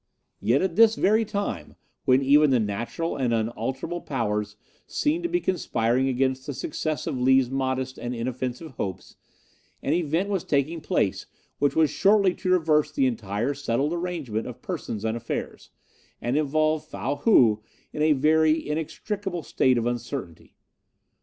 "Yet at this very time, when even the natural and unalterable powers seemed to be conspiring against the success of Lee's modest and inoffensive hopes, an event was taking place which was shortly to reverse the entire settled arrangement of persons and affairs, and involved Fow Hou in a very inextricable state of uncertainty.